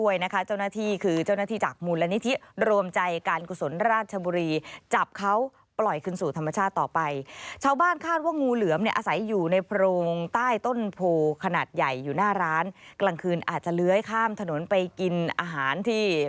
อยู่หน้าร้านกลางคืนอาจจะเลื้อยข้ามถนนไปกินอาหารที่